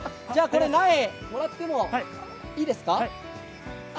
これ苗、もらってもいいですか？